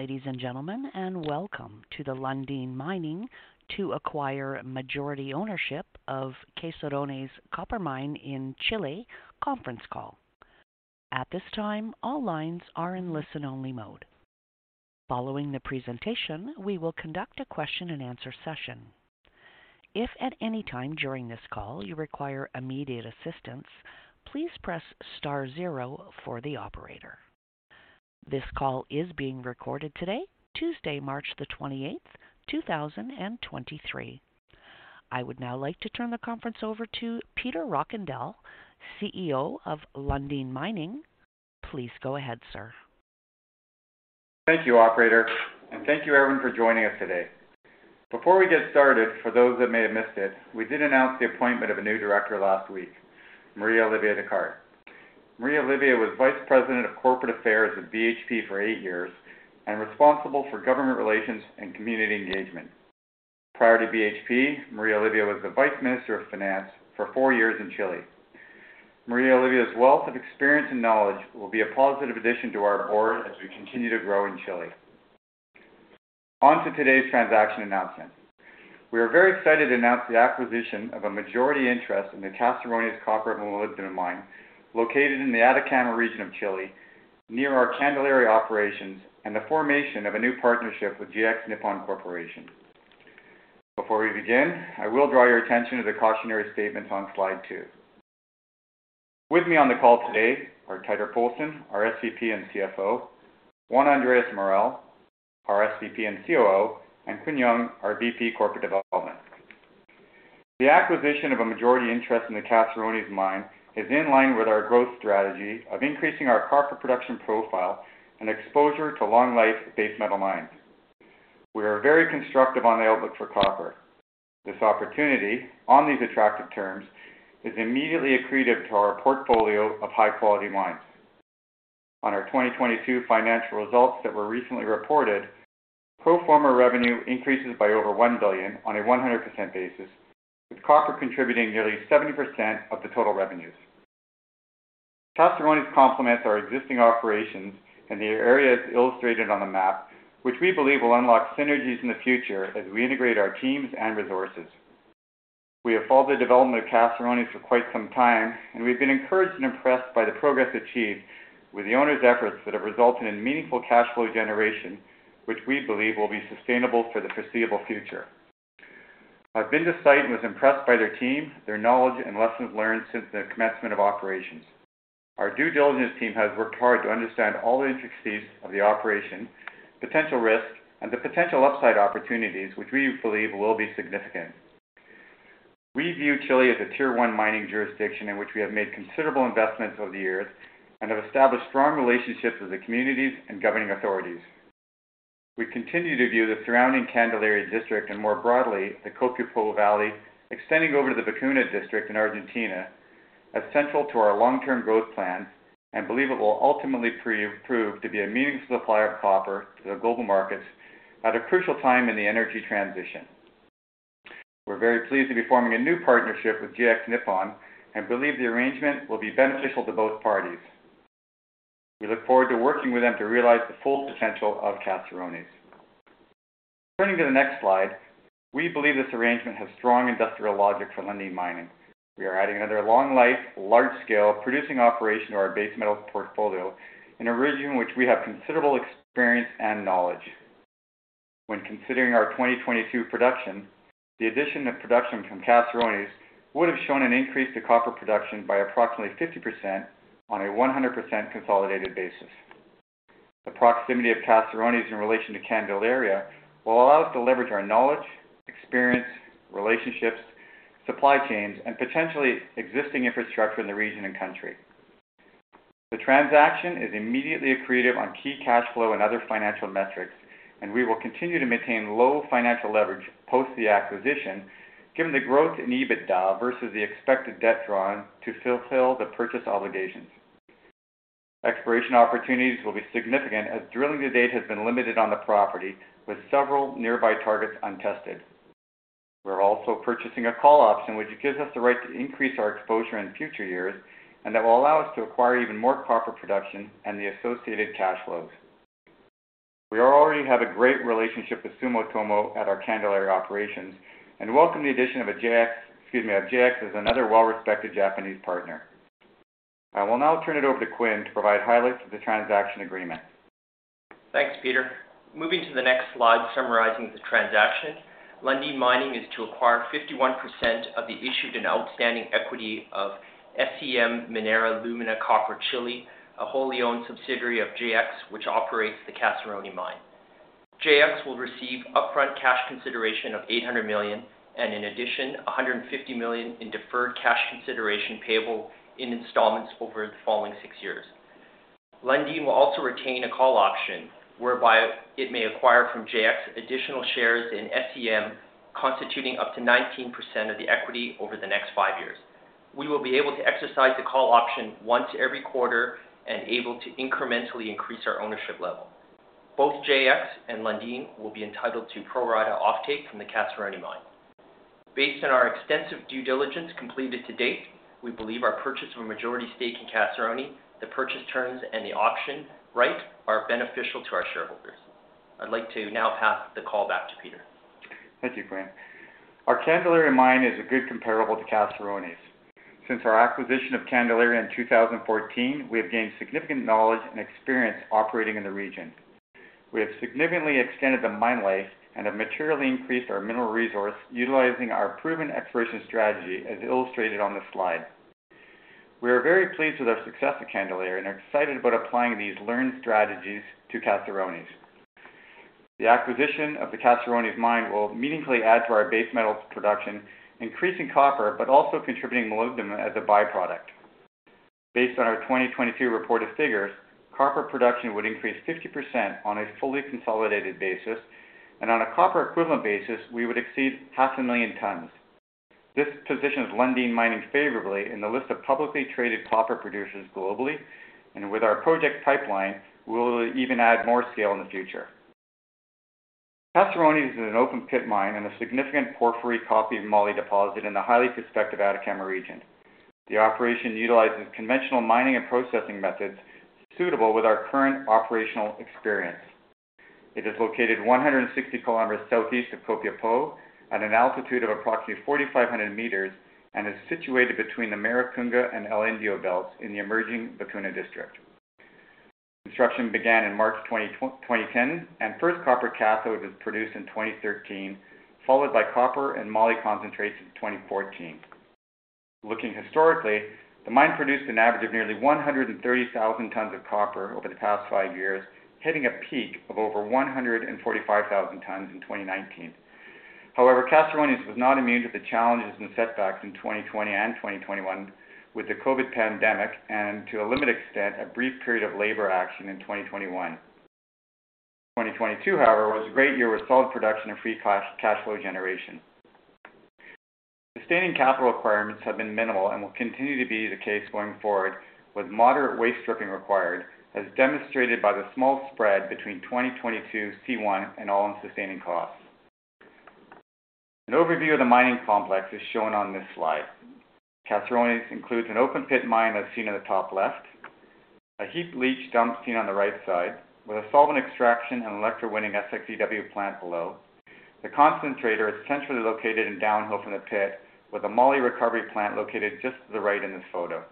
Ladies and gentlemen, welcome to the Lundin Mining to acquire majority ownership of Caserones Copper Mine in Chile conference call. At this time, all lines are in listen-only mode. Following the presentation, we will conduct a question-and-answer session. If at any time during this call you require immediate assistance, please press star zero for the operator. This call is being recorded today, Tuesday, March 28th, 2023. I would now like to turn the conference over to Peter Rockandel, CEO of Lundin Mining. Please go ahead, sir. Thank you, operator, thank you everyone for joining us today. Before we get started, for those that may have missed it, we did announce the appointment of a new director last week, Maria Olivia Recart. Maria Olivia was Vice President of Corporate Affairs at BHP for eight years and responsible for government relations and community engagement. Prior to BHP, Maria Olivia was the Vice Minister of Finance for four years in Chile. Maria Olivia's wealth of experience and knowledge will be a positive addition to our board as we continue to grow in Chile. On to today's transaction announcement. We are very excited to announce the acquisition of a majority interest in the Caserones copper-molybdenum mine located in the Atacama region of Chile near our Candelaria operations and the formation of a new partnership with JX Nippon Corporation. Before we begin, I will draw your attention to the cautionary statements on Slide 2. With me on the call today are Teitur Poulsen, our SVP and CFO, Juan Andrés Morel, our SVP and COO, and Quinn Yong, our VP Corporate Development. The acquisition of a majority interest in the Caserones mine is in line with our growth strategy of increasing our copper production profile and exposure to long-life base metal mines. We are very constructive on the outlook for copper. This opportunity on these attractive terms is immediately accretive to our portfolio of high-quality mines. On our 2022 financial results that were recently reported, pro forma revenue increases by over $1 billion on a 100% basis, with copper contributing nearly 70% of the total revenues. Caserones complements our existing operations in the areas illustrated on the map, which we believe will unlock synergies in the future as we integrate our teams and resources. We have followed the development of Caserones for quite some time, and we've been encouraged and impressed by the progress achieved with the owner's efforts that have resulted in meaningful cash flow generation, which we believe will be sustainable for the foreseeable future. I've been to site and was impressed by their team, their knowledge and lessons learned since the commencement of operations. Our due diligence team has worked hard to understand all the intricacies of the operation, potential risks, and the potential upside opportunities, which we believe will be significant. We view Chile as a tier-one mining jurisdiction in which we have made considerable investments over the years and have established strong relationships with the communities and governing authorities. We continue to view the surrounding Candelaria district and more broadly, the Coquimbo Valley, extending over to the Vicuña District in Argentina as central to our long-term growth plan and believe it will ultimately prove to be a meaningful supplier of copper to the global markets at a crucial time in the energy transition. We're very pleased to be forming a new partnership with JX Nippon and believe the arrangement will be beneficial to both parties. We look forward to working with them to realize the full potential of Caserones. Turning to the next slide, we believe this arrangement has strong industrial logic for Lundin Mining. We are adding another long-life, large-scale producing operation to our base metal portfolio in a region which we have considerable experience and knowledge. When considering our 2022 production, the addition of production from Caserones would have shown an increase to copper production by approximately 50% on a 100% consolidated basis. The proximity of Caserones in relation to Candelaria will allow us to leverage our knowledge, experience, relationships, supply chains, and potentially existing infrastructure in the region and country. The transaction is immediately accretive on key cash flow and other financial metrics. We will continue to maintain low financial leverage post the acquisition, given the growth in EBITDA versus the expected debt drawn to fulfill the purchase obligations. Exploration opportunities will be significant as drilling to date has been limited on the property with several nearby targets untested. We're also purchasing a call option, which gives us the right to increase our exposure in future years and that will allow us to acquire even more copper production and the associated cash flows. We already have a great relationship with Sumitomo at our Candelaria operations and welcome the addition of a JX-- excuse me, of JX as another well-respected Japanese partner. I will now turn it over to Quinn to provide highlights of the transaction agreement. Thanks, Peter. Moving to the next slide summarizing the transaction, Lundin Mining is to acquire 51% of the issued and outstanding equity of SCM Minera Lumina Copper Chile, a wholly owned subsidiary of JX, which operates the Caserones mine. JX will receive upfront cash consideration of $800 million. In addition, $150 million in deferred cash consideration payable in installments over the following 6 years. Lundin will also retain a call option whereby it may acquire from JX additional shares in SCM constituting up to 19% of the equity over the next 5 years. We will be able to exercise the call option once every quarter and able to incrementally increase our ownership level. Both JX and Lundin will be entitled to pro rata offtake from the Caserones mine. Based on our extensive due diligence completed to date, we believe our purchase of a majority stake in Caserones, the purchase terms, and the option right are beneficial to our shareholders. I'd like to now pass the call back to Peter. Thank you, Quinn. Our Candelaria mine is a good comparable to Caserones. Since our acquisition of Candelaria in 2014, we have gained significant knowledge and experience operating in the region. We have significantly extended the mine life and have materially increased our mineral resource utilizing our proven exploration strategy, as illustrated on this slide. We are very pleased with our success at Candelaria and are excited about applying these learned strategies to Caserones. The acquisition of the Caserones mine will meaningfully add to our base metals production, increasing copper but also contributing molybdenum as a byproduct. Based on our 2022 reported figures, copper production would increase 50% on a fully consolidated basis. On a copper equivalent basis, we would exceed half a million tons. This positions Lundin Mining favorably in the list of publicly traded copper producers globally, and with our project pipeline, we'll even add more scale in the future. Caserones is an open pit mine and a significant porphyry copper-moly deposit in the highly prospective Atacama region. The operation utilizes conventional mining and processing methods suitable with our current operational experience. It is located 160 km southeast of Copiapó at an altitude of approximately 4,500 meters and is situated between the Maricunga and El Indio belts in the emerging Vicuña District. Construction began in March 2010, and first copper cathode was produced in 2013, followed by copper and moly concentrates in 2014. Looking historically, the mine produced an average of nearly 130,000 tons of copper over the past 5 years, hitting a peak of over 145,000 tons in 2019. However, Caserones was not immune to the challenges and setbacks in 2020 and 2021 with the COVID pandemic and to a limited extent, a brief period of labor action in 2021. 2022, however, was a great year with solid production and free cash flow generation. Sustaining capital requirements have been minimal and will continue to be the case going forward with moderate waste stripping required, as demonstrated by the small spread between 2022 C1 and all in sustaining costs. An overview of the mining complex is shown on this slide. Caserones includes an open pit mine as seen in the top left, a heap leach dump seen on the right side with a solvent extraction and electrowinning SXEW plant below. The concentrator is centrally located and downhill from the pit with a moly recovery plant located just to the right in this photo.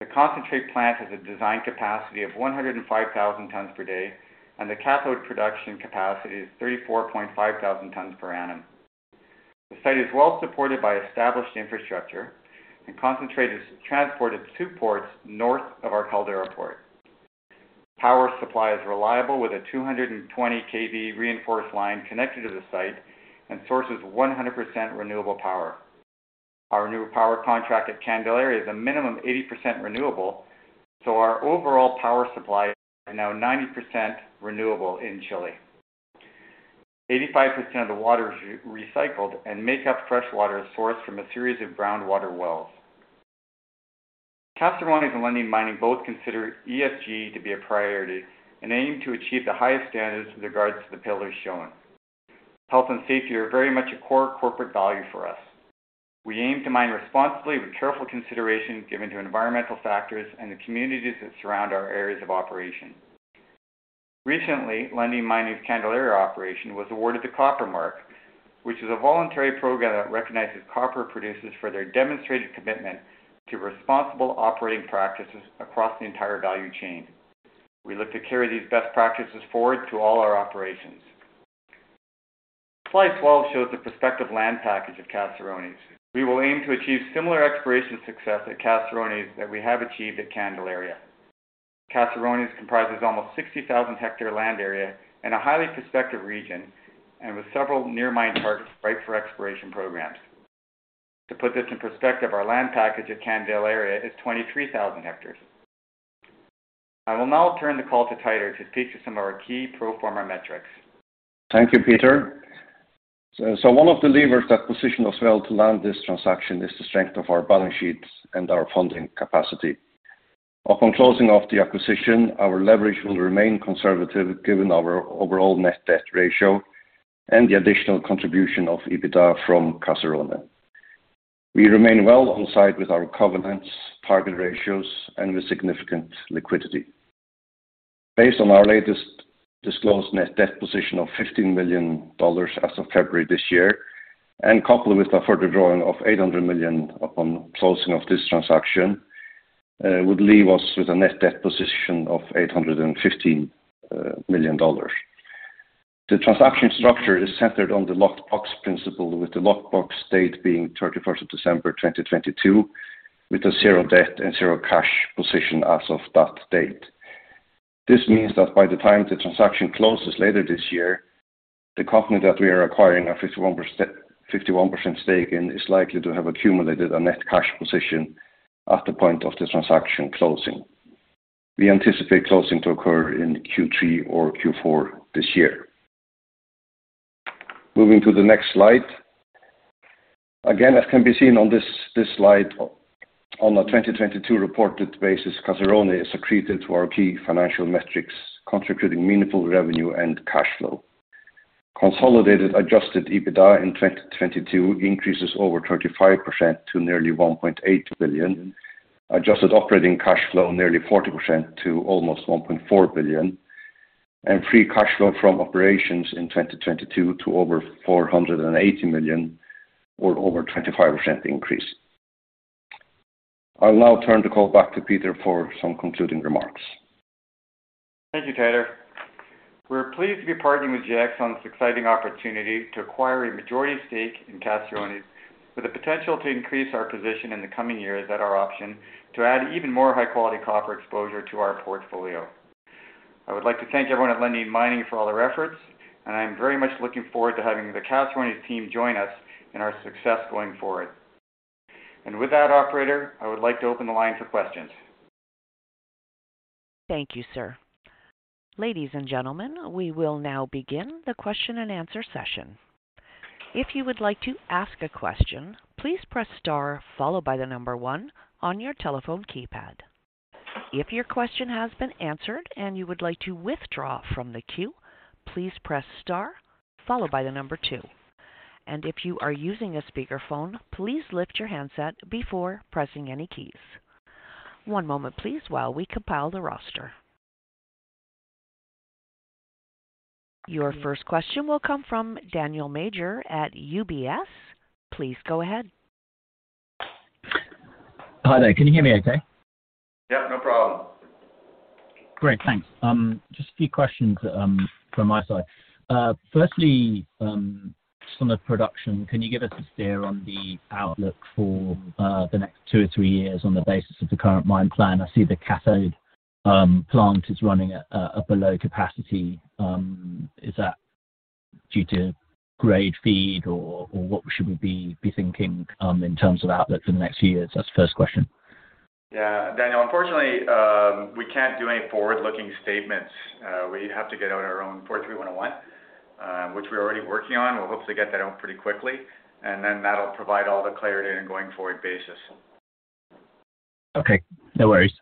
The concentrate plant has a design capacity of 105,000 tons per day, and the cathode production capacity is 34.5 thousand tons per annum. The site is well supported by established infrastructure and concentrate is transported to ports north of our Caldera port. Power supply is reliable with a 220 KV reinforced line connected to the site and sources 100% renewable power. Our renewable power contract at Candelaria is a minimum 80% renewable, so our overall power supply is now 90% renewable in Chile. 85% of the water is recycled and make up fresh water is sourced from a series of groundwater wells. Caserones and Lundin Mining both consider ESG to be a priority and aim to achieve the highest standards with regards to the pillars shown. Health and safety are very much a core corporate value for us. We aim to mine responsibly with careful consideration given to environmental factors and the communities that surround our areas of operation. Recently, Lundin Mining's Candelaria operation was awarded The Copper Mark, which is a voluntary program that recognizes copper producers for their demonstrated commitment to responsible operating practices across the entire value chain. We look to carry these best practices forward to all our operations. Slide 12 shows the prospective land package of Caserones. We will aim to achieve similar exploration success at Caserones that we have achieved at Candelaria. Caserones comprises almost 60,000 ha land area in a highly prospective region and with several near mine targets ripe for exploration programs. To put this in perspective, our land package at Candelaria is 23,000 hectares. I will now turn the call to Teitur to take you some of our key pro forma metrics. Thank you, Peter. One of the levers that position us well to land this transaction is the strength of our balance sheets and our funding capacity. Upon closing of the acquisition, our leverage will remain conservative given our overall net debt ratio and the additional contribution of EBITDA from Caserones. We remain well on site with our covenants, target ratios, and with significant liquidity. Based on our latest disclosed net debt position of $15 million as of February this year, and coupled with a further drawing of $800 million upon closing of this transaction, would leave us with a net debt position of $815 million. The transaction structure is centered on the locked box principle, with the locked box date being 31st of December 2022, with a zero debt and zero cash position as of that date. This means that by the time the transaction closes later this year, the company that we are acquiring a 51% stake in is likely to have accumulated a net cash position at the point of the transaction closing. We anticipate closing to occur in Q3 or Q4 this year. Moving to the next slide. Again, as can be seen on this slide, on the 2022 reported basis, Caserones accreted to our key financial metrics, contributing meaningful revenue and cash flow. Consolidated adjusted EBITDA in 2022 increases over 35% to nearly $1.8 billion. Adjusted operating cash flow nearly 40% to almost $1.4 billion. Free cash flow from operations in 2022 to over $480 million or over 25% increase. I'll now turn the call back to Peter for some concluding remarks. Thank you, Teitur. We're pleased to be partnering with JX on this exciting opportunity to acquire a majority stake in Caserones, with the potential to increase our position in the coming years at our option to add even more high-quality copper exposure to our portfolio. I would like to thank everyone at Lundin Mining for all their efforts, and I am very much looking forward to having the Caserones team join us in our success going forward. With that operator, I would like to open the line for questions. Thank you, sir. Ladies and gentlemen, we will now begin the question-and-answer session. If you would like to ask a question, please press star one on your telephone keypad. If your question has been answered and you would like to withdraw from the queue, please press star two. If you are using a speakerphone, please lift your handset before pressing any keys. One moment please, while we compile the roster. Your first question will come from Daniel Major at UBS. Please go ahead. Hi there. Can you hear me okay? Yeah, no problem. Great. Thanks. Just a few questions from my side. Firstly, on the production, can you give us a steer on the outlook for the next two or profitable years on the basis of the current mine plan? I see the cathode plant is running at below capacity. Is that due to grade feed or what should we be thinking in terms of outlook for the next few years? That's the first question. Yeah. Daniel, unfortunately, we can't do any forward-looking statements. We have to get out our own NI 43-101, which we're already working on. We'll hopefully get that out pretty quickly, and then that'll provide all the clarity in a going forward basis. Okay, no worries.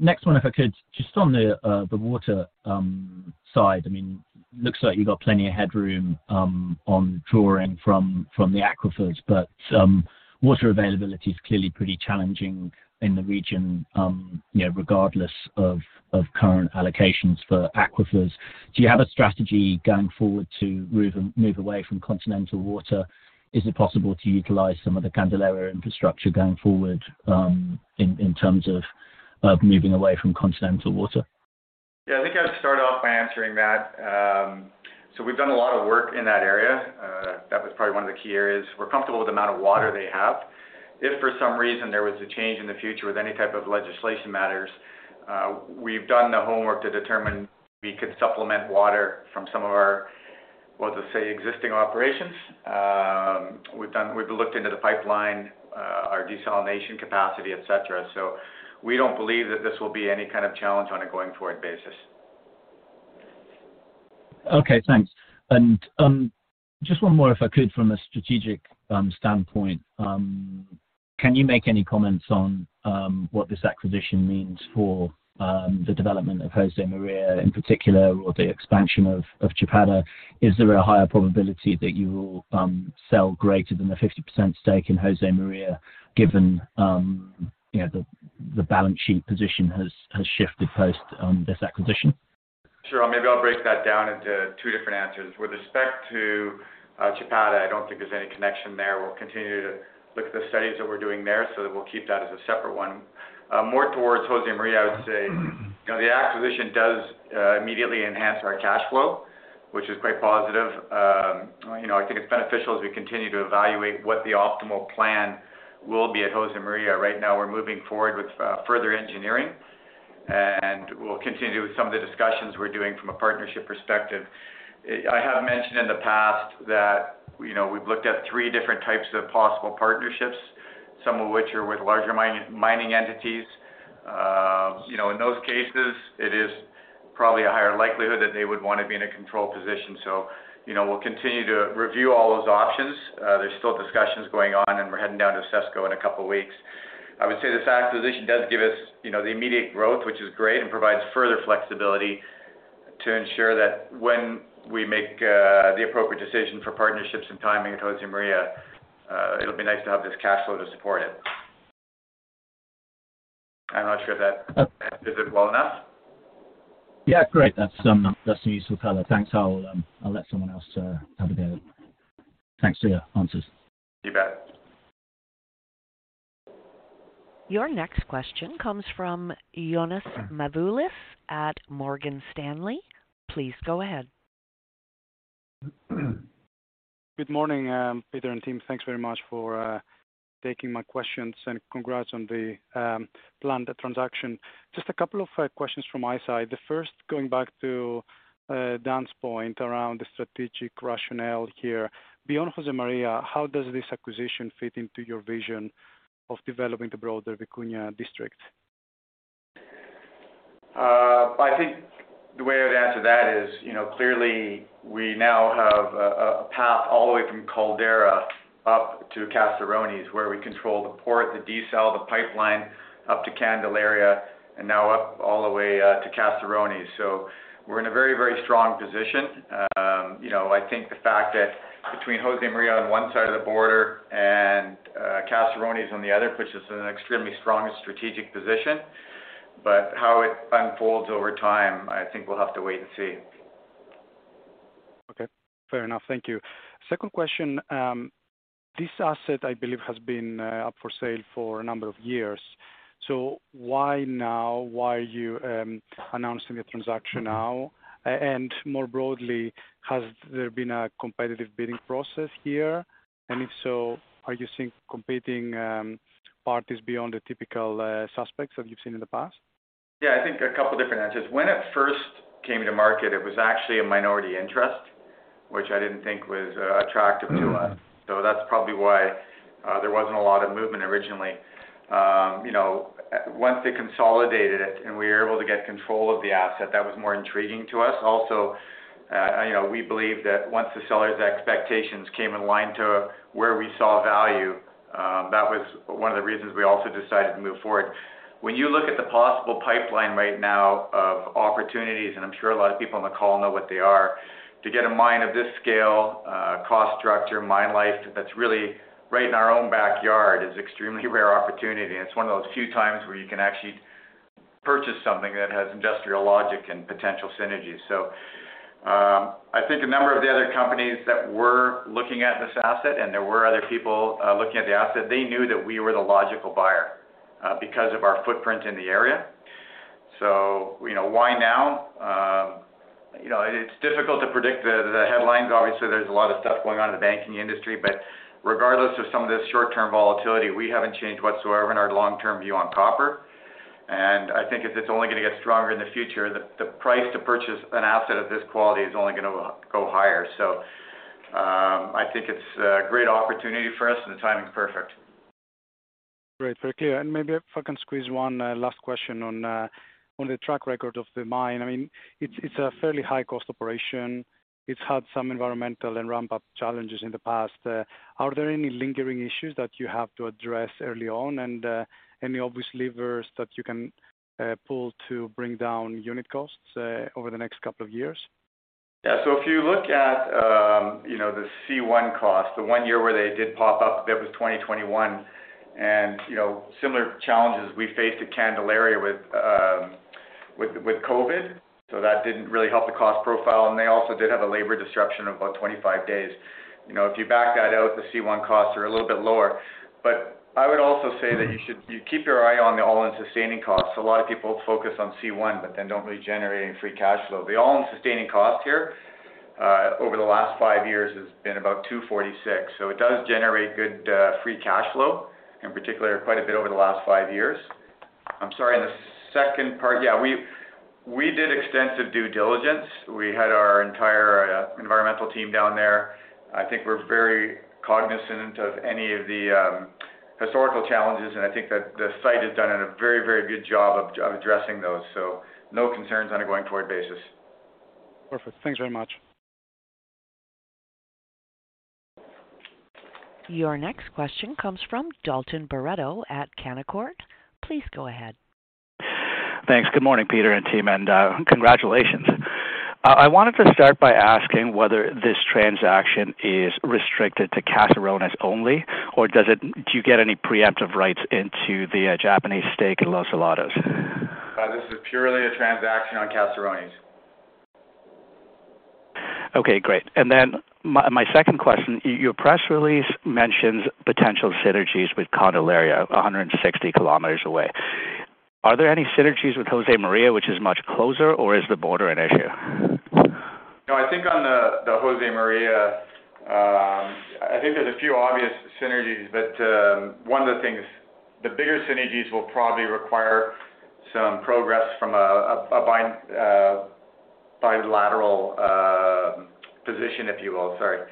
Next one, if I could, just on the water side, I mean, looks like you've got plenty of headroom on drawing from the aquifers. Water availability is clearly pretty challenging in the region, you know, regardless of current allocations for aquifers. Do you have a strategy going forward to move away from continental water? Is it possible to utilize some of the Candelaria infrastructure going forward, in terms of moving away from continental water? Yeah, I think I'd start off by answering that. We've done a lot of work in that area. That was probably one of the key areas. We're comfortable with the amount of water they have. If for some reason there was a change in the future with any type of legislation matters, we've done the homework to determine we could supplement water from some of our, we'll just say, existing operations. We've looked into the pipeline, our desalination capacity, et cetera. We don't believe that this will be any kind of challenge on a going forward basis. Okay, thanks. Just one more, if I could, from a strategic standpoint, can you make any comments on what this acquisition means for the development of Josemaria in particular or the expansion of Chapada? Is there a higher probability that you will sell greater than the 50% stake in Josemaria given, you know, the balance sheet position has shifted post on this acquisition? Sure. Maybe I'll break that down into two different answers. With respect to Chapada, I don't think there's any connection there. We'll continue to look at the studies that we're doing there, so we'll keep that as a separate one. More towards Josemaria, I would say, you know, the acquisition does immediately enhance our cash flow, which is quite positive. You know, I think it's beneficial as we continue to evaluate what the optimal plan will be at Josemaria. Right now, we're moving forward with further engineering, and we'll continue with some of the discussions we're doing from a partnership perspective. I have mentioned in the past that, you know, we've looked at three different types of possible partnerships, some of which are with larger mining entities. You know, in those cases, it is probably a higher likelihood that they would want to be in a control position. You know, we'll continue to review all those options. There's still discussions going on, and we're heading down to CESCO in a couple of weeks. I would say this acquisition does give us, you know, the immediate growth, which is great, and provides further flexibility to ensure that when we make the appropriate decision for partnerships and timing at Josemaria, it'll be nice to have this cash flow to support it. I'm not sure if that answers it well enough. Yeah, great. That's a useful color. Thanks. I'll let someone else have a go. Thanks for your answers. You bet. Your next question comes from Ioannis Masvoulas at Morgan Stanley. Please go ahead. Good morning, Peter and team. Thanks very much for taking my questions, and congrats on the planned transaction. Just a couple of questions from my side. The first, going back to Dan's point around the strategic rationale here. Beyond Josemaria, how does this acquisition fit into your vision of developing the broader Vicuña District? I think the way I'd answer that is, you know, clearly we now have a path all the way from Caldera up to Caserones, where we control the port, the desal, the pipeline, up to Candelaria, and now up all the way to Caserones. We're in a very strong position. you know, I think the fact that between Josemaria on one side of the border and Caserones on the other, puts us in an extremely strong strategic position. How it unfolds over time, I think we'll have to wait and see. Okay, fair enough. Thank you. Second question. This asset, I believe, has been up for sale for a number of years. Why now? Why are you announcing the transaction now? More broadly, has there been a competitive bidding process here? If so, are you seeing competing parties beyond the typical suspects that you've seen in the past? Yeah, I think a couple different answers. When it first came to market, it was actually a minority interest, which I didn't think was attractive to us. That's probably why there wasn't a lot of movement originally. You know, once they consolidated it and we were able to get control of the asset, that was more intriguing to us. Also, you know, we believe that once the seller's expectations came in line to where we saw value, that was one of the reasons we also decided to move forward. When you look at the possible pipeline right now of opportunities, and I'm sure a lot of people on the call know what they are, to get a mine of this scale, cost structure, mine life, that's really right in our own backyard, is extremely rare opportunity. It's one of those few times where you can actually purchase something that has industrial logic and potential synergies. I think a number of the other companies that were looking at this asset, and there were other people looking at the asset, they knew that we were the logical buyer because of our footprint in the area. You know, why now? You know, it's difficult to predict the headlines. Obviously, there's a lot of stuff going on in the banking industry, but regardless of some of this short-term volatility, we haven't changed whatsoever in our long-term view on copper. I think it's only gonna get stronger in the future. The price to purchase an asset of this quality is only gonna go higher. I think it's a great opportunity for us, and the timing's perfect. Great. Very clear. Maybe if I can squeeze one last question on the track record of the mine. I mean, it's a fairly high cost operation. It's had some environmental and ramp-up challenges in the past. Are there any lingering issues that you have to address early on, and any obvious levers that you can pull to bring down unit costs over the next couple of years? Yeah. If you look at, you know, the C1 cost, the one year where they did pop up, that was 2021. You know, similar challenges we faced at Candelaria with COVID. That didn't really help the cost profile, and they also did have a labor disruption of about 25 days. You know, if you back that out, the C1 costs are a little bit lower. I would also say that you keep your eye on the all-in sustaining cost. A lot of people focus on C1, but then don't really generate any free cash flow. The all-in sustaining cost here, over the last five years has been about $2.46. It does generate good free cash flow, in particular quite a bit over the last five years. I'm sorry, the second part. Yeah, we did extensive due diligence. We had our entire environmental team down there. I think we're very cognizant of any of the historical challenges, and I think that the site has done a very good job of addressing those. No concerns on a going forward basis. Perfect. Thanks very much. Your next question comes from Dalton Baretto at Canaccord. Please go ahead. Thanks. Good morning, Peter and team, and congratulations. I wanted to start by asking whether this transaction is restricted to Caserones only, or do you get any preemptive rights into the Japanese stake in Los Helados? This is purely a transaction on Caserones. Okay, great. Then my second question, your press release mentions potential synergies with Candelaria, 160 kilometers away. Are there any synergies with Josemaria, which is much closer, or is the border an issue? I think on the Josemaria, I think there's a few obvious synergies, but one of the things, the bigger synergies will probably require some progress from a bilateral position, if you will. Sorry.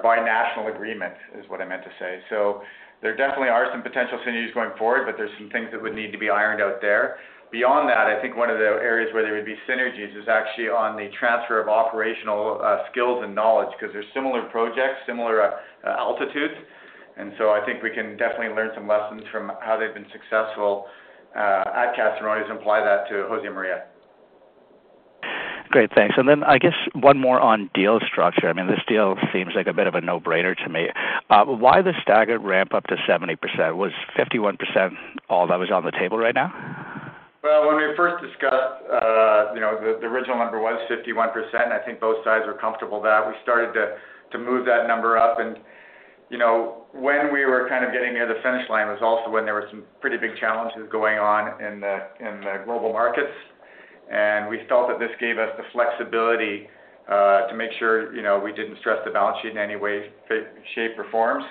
Binational agreement is what I meant to say. There definitely are some potential synergies going forward, but there's some things that would need to be ironed out there. Beyond that, I think one of the areas where there would be synergies is actually on the transfer of operational skills and knowledge, 'cause they're similar projects, similar altitudes. I think we can definitely learn some lessons from how they've been successful at Caserones and apply that to Josemaria. Great. Thanks. I guess one more on deal structure. I mean, this deal seems like a bit of a no-brainer to me. Why the staggered ramp up to 70%? Was 51% all that was on the table right now? When we first discussed, you know, the original number was 51%. I think both sides were comfortable that we started to move that number up. You know, when we were kind of getting near the finish line was also when there were some pretty big challenges going on in the, in the global markets, and we felt that this gave us the flexibility, to make sure, you know, we didn't stress the balance sheet in any way, shape, or form.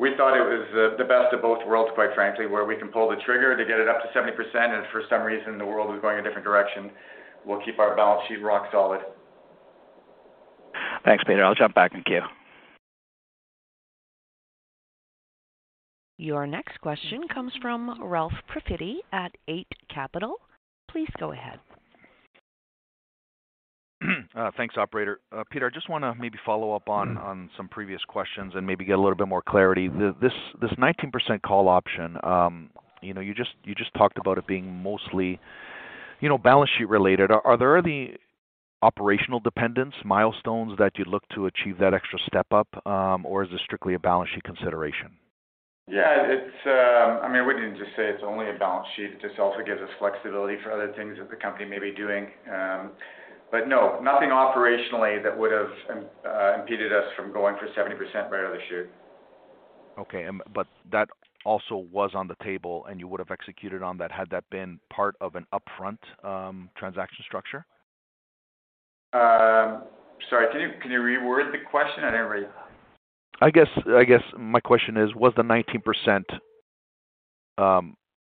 We thought it was the best of both worlds, quite frankly, where we can pull the trigger to get it up to 70%, and if for some reason the world was going a different direction, we'll keep our balance sheet rock solid. Thanks, Peter. I'll jump back in queue. Your next question comes from Ralph Profiti at Eight Capital. Please go ahead. Thanks, operator. Peter, I just wanna maybe follow up on some previous questions and maybe get a little bit more clarity. This 19% call option, you know, you just talked about it being mostly, you know, balance sheet related. Are there any operational dependents, milestones that you'd look to achieve that extra step up, or is this strictly a balance sheet consideration? Yeah. It's, I mean, I wouldn't just say it's only a balance sheet. It just also gives us flexibility for other things that the company may be doing. No, nothing operationally that would've impeded us from going for 70% right of this year. Okay. That also was on the table, and you would have executed on that had that been part of an upfront transaction structure? Sorry, can you reword the question? I guess my question is, was the 19%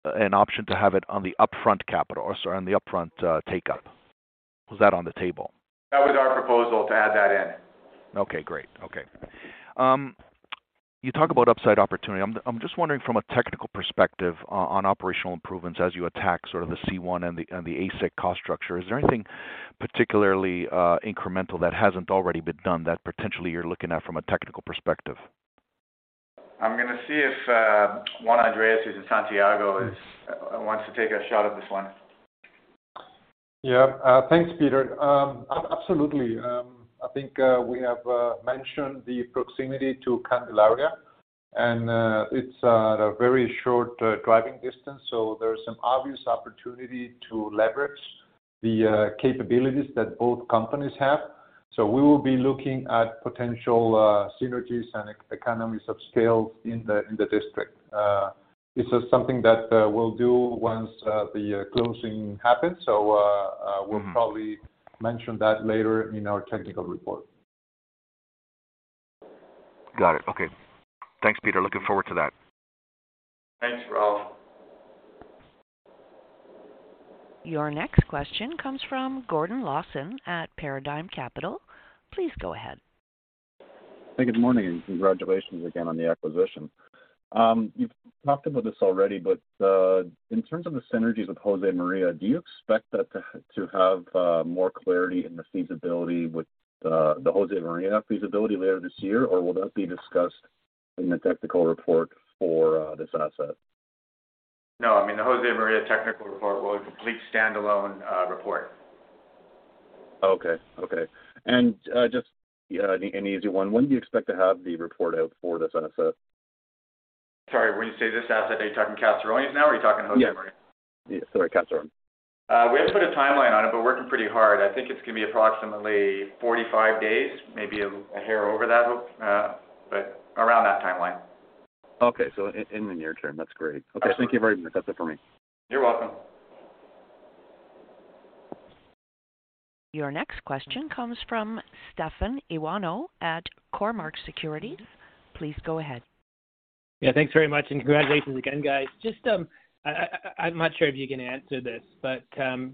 an option to have it on the upfront capital or, sorry, on the upfront take up? Was that on the table? That was our proposal to add that in. Okay, great. Okay. You talk about upside opportunity. I'm just wondering from a technical perspective on operational improvements as you attack sort of the C1 and the ASIC cost structure. Is there anything particularly incremental that hasn't already been done that potentially you're looking at from a technical perspective? I'm gonna see if Juan Andrés, who's in Santiago, is wants to take a shot at this one. Yeah. Thanks, Peter. Absolutely. I think, we have mentioned the proximity to Candelaria, and it's at a very short driving distance, so there's some obvious opportunity to leverage the capabilities that both companies have. We will be looking at potential synergies and economies of scale in the district. This is something that we'll do once the closing happens. So. Mm-hmm. We'll probably mention that later in our technical report. Got it. Okay. Thanks, Peter. Looking forward to that. Thanks, Ralph. Your next question comes from Gordon Lawson at Paradigm Capital. Please go ahead. Hey, good morning, congratulations again on the acquisition. You've talked about this already, in terms of the synergies with Josemaria, do you expect that to have more clarity in the feasibility with the Josemaria feasibility later this year, or will that be discussed in the technical report for this asset? No. I mean, the Josemaria technical report will be a complete standalone report. Okay. Okay. Just, yeah, an easy one. When do you expect to have the report out for this asset? Sorry, when you say this asset, are you talking Caserones now or are you talking Josemaria? Yes. Sorry, Caserones. We haven't put a timeline on it, but working pretty hard. I think it's gonna be approximately 45 days, maybe a hair over that, but around that timeline. Okay. In the near term. That's great. Absolutely. Okay. Thank you very much. That's it for me. You're welcome. Your next question comes from Stefan Ioannou at Cormark Securities. Please go ahead. Thanks very much, and congratulations again, guys. Just, I'm not sure if you can answer this,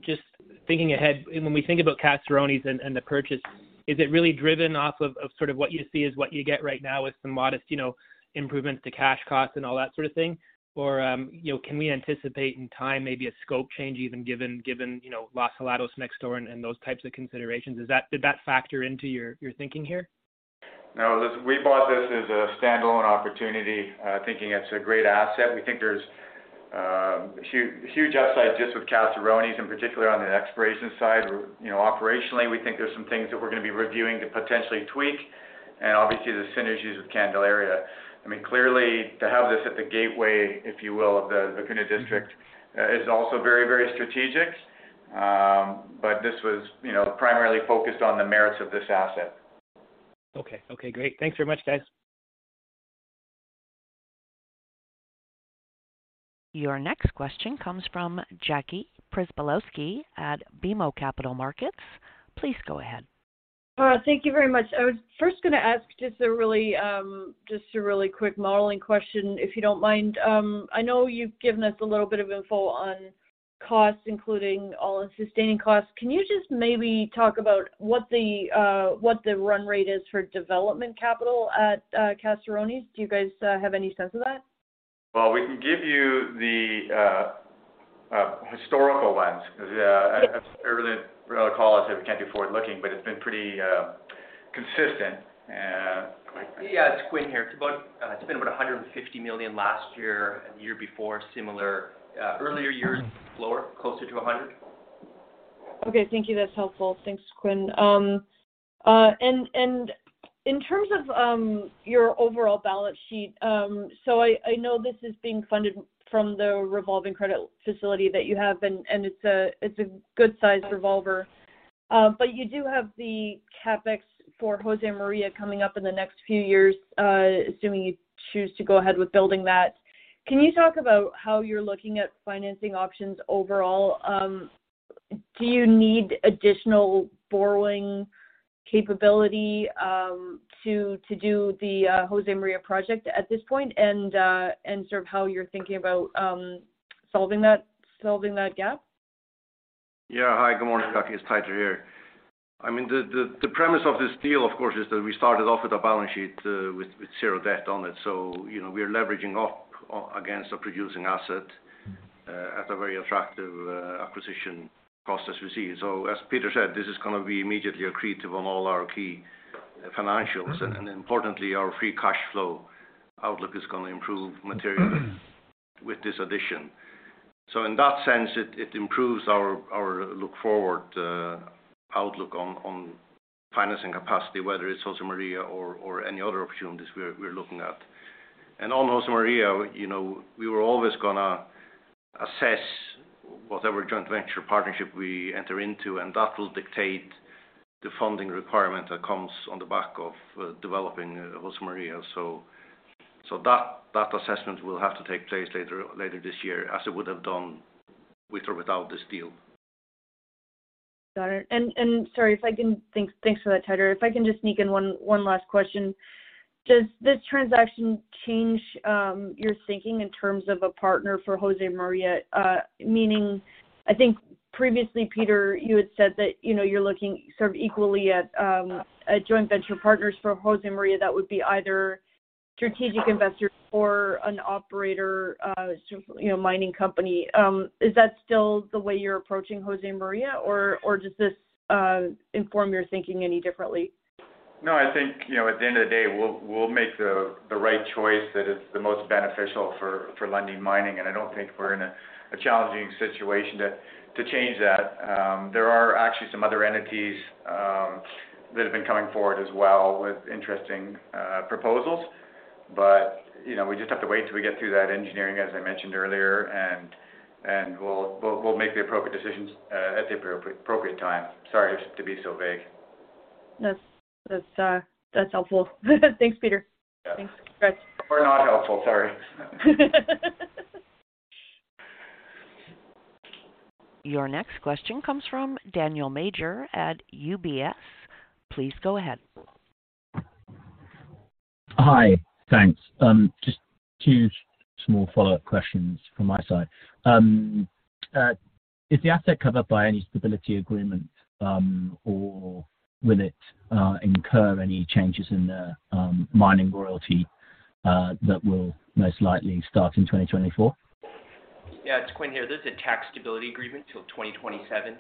just thinking ahead, when we think about Caserones and the purchase, is it really driven off of sort of what you see is what you get right now with some modest, you know, improvements to cash costs and all that sort of thing? You know, can we anticipate in time maybe a scope change even given, you know, Los Helados next door and those types of considerations? Did that factor into your thinking here? No. We bought this as a standalone opportunity, thinking it's a great asset. We think there's huge, huge upside just with Caserones, in particular on the exploration side. You know, operationally, we think there's some things that we're gonna be reviewing to potentially tweak and obviously the synergies with Candelaria. I mean, clearly, to have this at the gateway, if you will, of the Vicuña District. Mm-hmm. is also very, very strategic. This was, you know, primarily focused on the merits of this asset. Okay. Okay, great. Thanks very much, guys. Your next question comes from Jackie Przybylowski at BMO Capital Markets. Please go ahead. Thank you very much. I was first gonna ask just a really, just a really quick modeling question, if you don't mind. I know you've given us a little bit of info on costs, including all in sustaining costs. Can you just maybe talk about what the, what the run rate is for development capital at Caserones? Do you guys have any sense of that? Well, we can give you the historical lens 'cause. Yes. -earlier call, I said we can't do forward looking, but it's been pretty consistent. Yeah, it's Quinn here. It's about, it's been about $150 million last year and the year before, similar. Earlier years, lower, closer to $100. Okay. Thank you. That's helpful. Thanks, Quinn. In terms of your overall balance sheet, so I know this is being funded from the revolving credit facility that you have and it's a good sized revolver. You do have the CapEx for Josemaria coming up in the next few years, assuming you choose to go ahead with building that. Can you talk about how you're looking at financing options overall? Do you need additional borrowing capability to do the Josemaria project at this point and sort of how you're thinking about solving that gap? Hi, good morning, it's Teitur here. I mean, the premise of this deal, of course, is that we started off with a balance sheet with zero debt on it. You know, we are leveraging up against a producing asset at a very attractive acquisition cost as we see. As Peter said, this is gonna be immediately accretive on all our key financials and importantly, our free cash flow outlook is gonna improve materially with this addition. In that sense, it improves our look-forward outlook on financing capacity, whether it's Josemaria or any other opportunities we're looking at. On Josemaria, you know, we were always gonna assess whatever joint venture partnership we enter into, and that will dictate the funding requirement that comes on the back of developing Josemaria. That assessment will have to take place later this year as it would have done with or without this deal. Got it. Sorry if I can. Thanks for that, Teitur. If I can just sneak in one last question. Does this transaction change your thinking in terms of a partner for Josemaria? Meaning, I think previously, Peter, you had said that, you know, you're looking sort of equally at a joint venture partners for Josemaria that would be either strategic investor or an operator, you know, mining company. Is that still the way you're approaching Josemaria, or does this inform your thinking any differently? I think, you know, at the end of the day, we'll make the right choice that is the most beneficial for Lundin Mining, and I don't think we're in a challenging situation to change that. There are actually some other entities that have been coming forward as well with interesting proposals. You know, we just have to wait till we get through that engineering, as I mentioned earlier, and we'll make the appropriate decisions at the appropriate time. Sorry to be so vague. That's helpful. Thanks, Peter. Yeah. Thanks, guys. Not helpful. Sorry. Your next question comes from Daniel Major at UBS. Please go ahead. Hi. Thanks. Just two small follow-up questions from my side. Is the asset covered by any stability agreement, or will it incur any changes in the mining royalty, that will most likely start in 2024? Yeah, it's Quinn here. There's a tax stability agreement till 2027,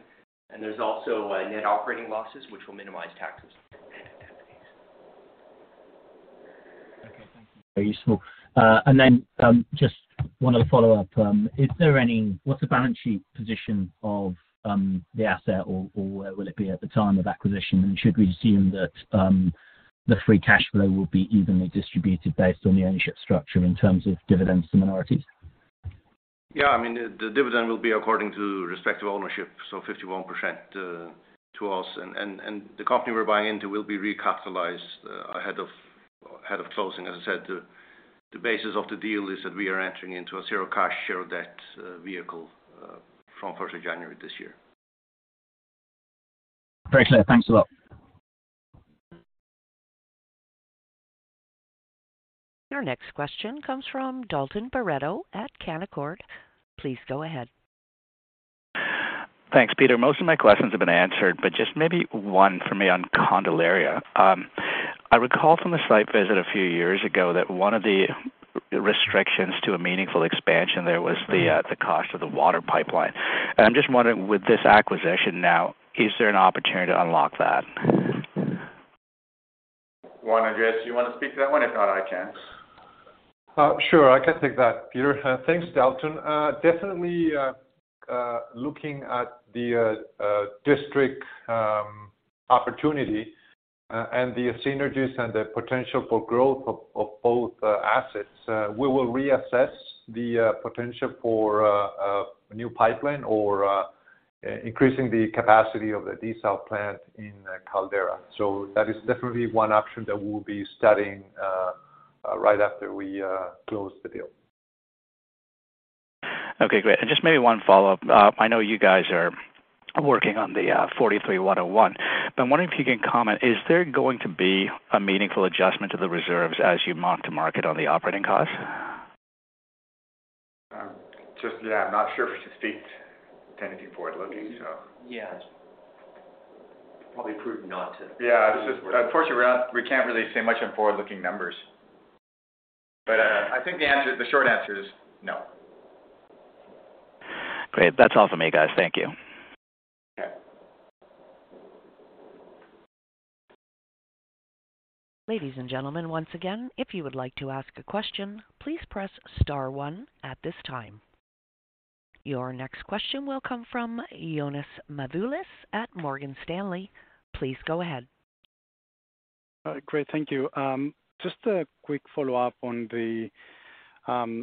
and there's also net operating losses, which will minimize taxes. Okay. Thank you. Very useful. Then, just one other follow-up. What's the balance sheet position of the asset or will it be at the time of acquisition? Should we assume that the free cash flow will be evenly distributed based on the ownership structure in terms of dividends to minorities? Yeah. I mean, the dividend will be according to respective ownership, so 51% to us. The company we're buying into will be recapitalized ahead of closing. As I said, the basis of the deal is that we are entering into a zero cash, zero debt vehicle from first of January this year. Very clear. Thanks a lot. Your next question comes from Dalton Baretto at Canaccord. Please go ahead. Thanks, Peter. Most of my questions have been answered, but just maybe one for me on Candelaria. I recall from the site visit a few years ago that one of the restrictions to a meaningful expansion there was the cost of the water pipeline. I'm just wondering, with this acquisition now, is there an opportunity to unlock that? Juan, I guess, do you wanna speak to that one? If not, I can. Sure. I can take that, Peter. Thanks, Dalton. Definitely looking at the district opportunity and the synergies and the potential for growth of both assets, we will reassess the potential for a new pipeline or increasing the capacity of the desal plant in Candelaria. That is definitely one option that we'll be studying right after we close the deal. Okay, great. Just maybe one follow-up. I know you guys are working on the NI 43-101. I'm wondering if you can comment, is there going to be a meaningful adjustment to the reserves as you mark to market on the operating costs? Just, yeah, I'm not sure if we should speak to anything forward-looking, so. Yeah. Probably prudent not to. Yeah. It's just at quarter round, we can't really say much on forward-looking numbers. I think the answer, the short answer is no. Great. That's all for me, guys. Thank you. Okay. Ladies and gentlemen, once again, if you would like to ask a question, please press star one at this time. Your next question will come from Ioannis Masvoulas at Morgan Stanley. Please go ahead. Great. Thank you. Just a quick follow-up on the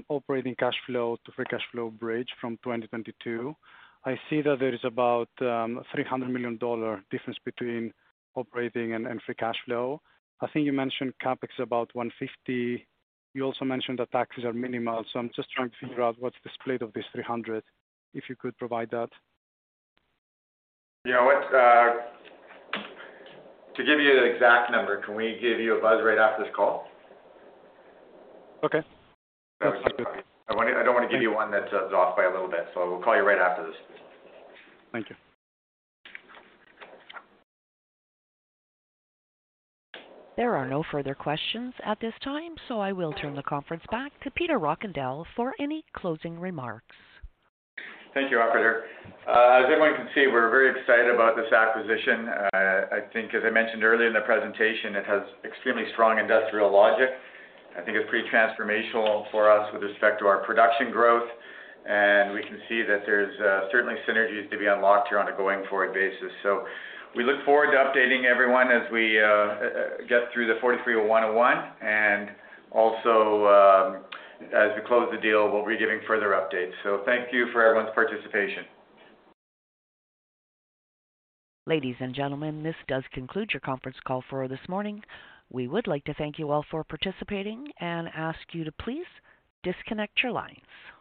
operating cash flow to free cash flow bridge from 2022. I see that there is about $300 million difference between operating and free cash flow. I think you mentioned CapEx about $150 million. You also mentioned that taxes are minimal. I'm just trying to figure out what's the split of this $300 million, if you could provide that. You know what, to give you the exact number, can we give you a buzz right after this call? Okay. That's good. I don't wanna give you one that's off by a little bit. We'll call you right after this. Thank you. There are no further questions at this time, so I will turn the conference back to Peter Rockandel for any closing remarks. Thank you, operator. As everyone can see, we're very excited about this acquisition. I think as I mentioned earlier in the presentation, it has extremely strong industrial logic. I think it's pretty transformational for us with respect to our production growth, and we can see that there's certainly synergies to be unlocked here on a going-forward basis. We look forward to updating everyone as we get through the NI 43-101. Also, as we close the deal, we'll be giving further updates. Thank you for everyone's participation. Ladies and gentlemen, this does conclude your conference call for this morning. We would like to thank you all for participating and ask you to please disconnect your lines.